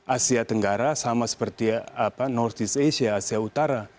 asia tenggara sama seperti north east asia asia utara